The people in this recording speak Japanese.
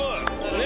ねえ。